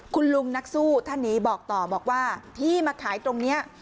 คุณลุงนักสู้ท่านนี้บอกต่อบอกว่าที่มาขายตรงนี้